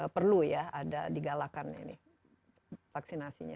perlu ya ada di galakan ini vaksinasinya